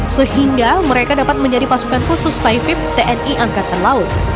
sehingga mereka dapat menjadi pasukan khusus taifib tni angkatan laut